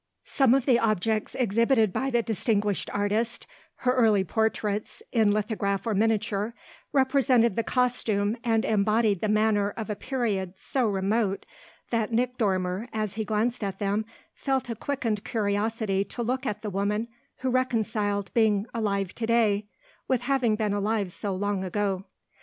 Some of the objects exhibited by the distinguished artist, her early portraits, in lithograph or miniature, represented the costume and embodied the manner of a period so remote that Nick Dormer, as he glanced at them, felt a quickened curiosity to look at the woman who reconciled being alive to day with having been alive so long ago.